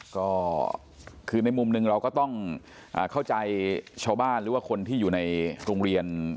ก็คือในมุมหนึ่งเราก็ต้องเข้าใจชาวบ้านหรือว่าคนที่อยู่ในโรงเรียน